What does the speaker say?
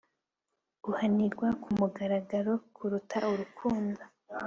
Guhanirwa ku mugaragaro Kuruta urukundo